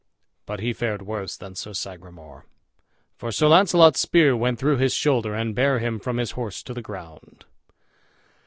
But he fared worse than Sir Sagramour, for Sir Launcelot's spear went through his shoulder and bare him from his horse to the ground.